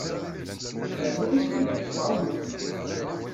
Rran-kent deg uɛewwiq.